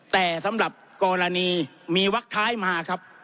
แต่สำหรับกรณีมีวักท้ายมาครับ